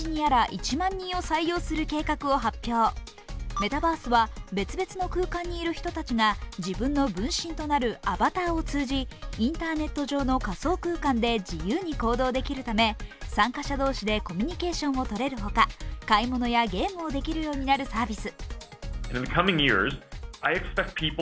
メタバースは別々の空間にいる人たちが自分の分身となるアバターを通じインターネット上の仮想空間で自由に行動できるため参加者同士でコミュニケーションをとれるほか、買い物やゲームもできるようになるサービス。